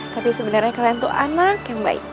tapi sebenarnya kalian tuh anak yang baik